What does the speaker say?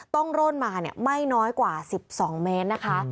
ร่นมาไม่น้อยกว่า๑๒เมตรนะคะ